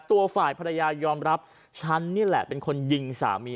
ตัวฝ่ายภรรยายอมรับฉันนี่แหละเป็นคนยิงสามี